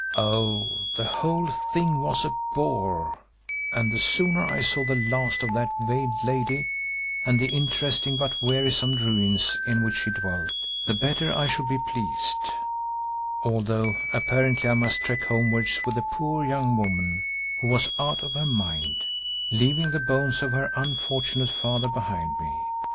Oh! the whole thing was a bore and the sooner I saw the last of that veiled lady and the interesting but wearisome ruins in which she dwelt, the better I should be pleased, although apparently I must trek homewards with a poor young woman who was out of her mind, leaving the bones of her unfortunate father behind me.